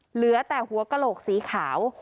เหลือแต่หัวกระโหลกสีขาว